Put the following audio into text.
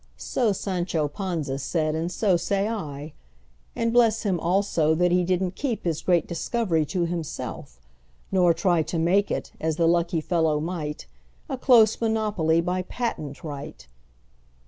So Sancho Panza said, and so say I:And bless him, also, that he did n't keepHis great discovery to himself; nor tryTo make it—as the lucky fellow might—A close monopoly by patent right!